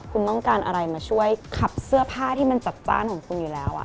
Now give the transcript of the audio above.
คุณต้องการอะไรมาช่วยขับเสื้อผ้าที่มันจัดจ้านของคุณอยู่แล้ว